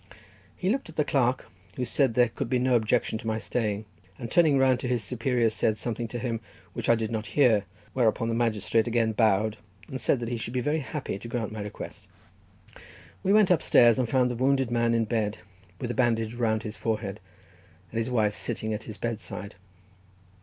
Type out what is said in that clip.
He looked at the clerk, who said there could be no objection to my staying, and turning round to his superior, said something to him which I did not hear, whereupon the magistrate again bowed, and said that he should be very happy to grant my request. We went upstairs, and found the wounded man in bed, with a bandage round his forehead, and his wife sitting by his bedside.